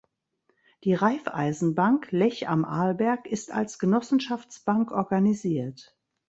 Die Raiffeisenbank Lech am Arlberg ist als Genossenschaftsbank organisiert.